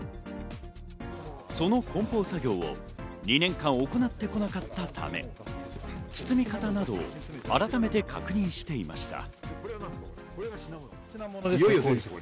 その梱包作業を２年間行ってこなかったため、包み方など改めて確認していました。